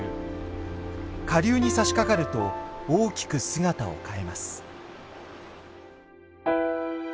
下流にさしかかると大きく姿を変えます。